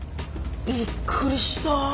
びっくりした。